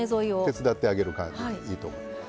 手伝ってあげる感じでいいと思います。